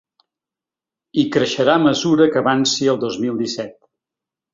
I creixerà a mesura que avanci el dos mil disset.